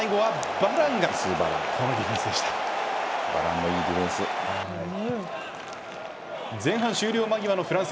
バランもいいディフェンス。